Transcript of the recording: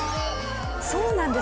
そうなんです